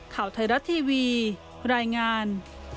ข่าวไทยรัฐทีวีรายงาน